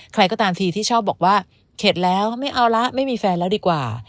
ใครก็ตามทีที่ชอบบอกว่าเข็ดแล้วไม่เอาละไม่มีแฟนแล้วดีกว่า